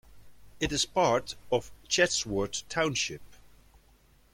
It is part of Chatsworth Township.